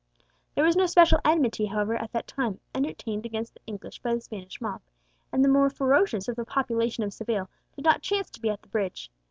There was no special enmity, however, at that time entertained against the English by the Spanish mob, and the more ferocious of the population of Seville did not chance to be at the bridge.